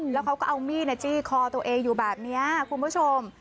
แล้วเขาก็เอามีดจี้คอตัวเองอยู่แบบนี้คุณผู้ชม